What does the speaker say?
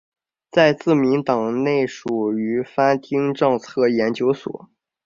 在自民党内属于番町政策研究所。